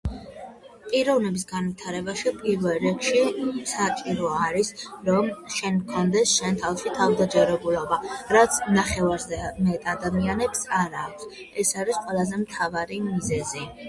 პიროვნების განვითარებაში პირველ რიგში საჭირო არის, რომ შენ გქონდეს შენ თავში თავდაჯერებულობა, რაც ნახევარზე მეტ ადამიანებს არა აქვს. ეს არის ყველაზე მთავარი მიზეზი.